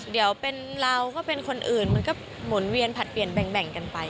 เดี๋ยวเป็นเราก็เป็นคนอื่นมันก็หมุนเวียนผลัดเปลี่ยนแบ่งกันไป